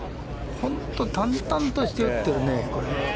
本当、淡々として打ってるね。